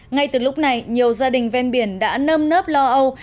ngay từ lúc này nhiều gia đình ven biển đã nơm nớp lo âu